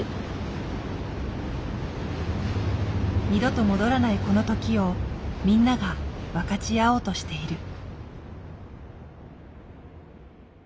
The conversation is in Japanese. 二度と戻らないこの時をみんなが分かち合おうとしている。